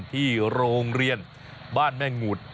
ที่โรงเรียนบ้านแม่งูด